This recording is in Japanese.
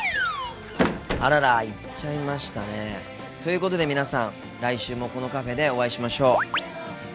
あらら行っちゃいましたね。ということで皆さん来週もこのカフェでお会いしましょう。